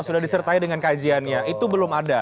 sudah disertai dengan kajiannya itu belum ada